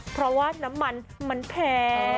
เพราะว่าน้ำมันมันแพง